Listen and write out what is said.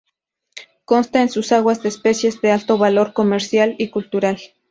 Consta en sus aguas de especies de alto valor comercial y cultural.